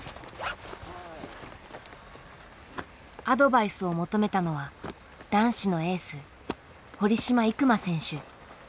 アドバイスを求めたのは男子のエース堀島行真選手。